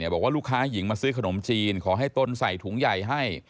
บอกว่าลูกค้าหญิงมาซื้อขนมจีนขอให้ตนใส่ถุงใหญ่ให้